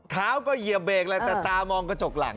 เท้าก็เหยียบเบรกแหละแต่ตามองกระจกหลัง